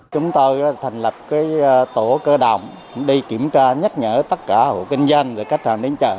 chúng tôi thành lập tổ cơ động để kiểm tra nhắc nhở tất cả hộ kinh doanh về cách làm đến chợ